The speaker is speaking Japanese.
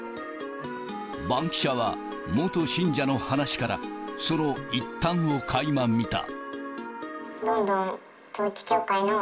バンキシャは、元信者の話から、その一端をかいま見た。